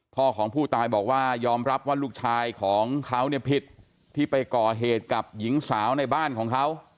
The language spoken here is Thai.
พ่อของผู้ตายบอกว่ายอมรับว่าลูกชายของเขาเนี่ยผิดที่ไปก่อเหตุกับหญิงสาวในบ้านของเขา